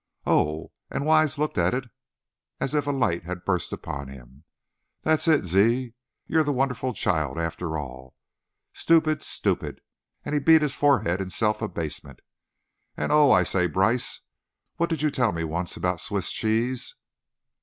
"Oh!" and Wise looked as if a light had burst upon him. "That's it, Ziz! You're the wonder child, after all! Stoo pid! Stoo pid!" and he beat his forehead in self abasement. "And, oh! I say, Brice, what did you tell me once about Swiss cheese?"